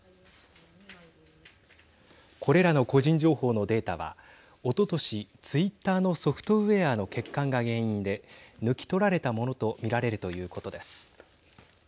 これらの個人情報のデータはおととし、ツイッターのソフトウエアの欠陥が原因で抜き取られたものと見られるということです。